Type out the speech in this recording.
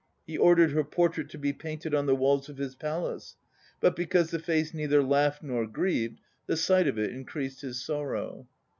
He ordered her portrait to be painted on the walls of his palace. But, because the face neither laughed nor grieved, the sight of it increased his sorrow.